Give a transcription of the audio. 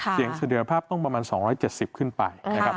เสถียรภาพต้องประมาณ๒๗๐ขึ้นไป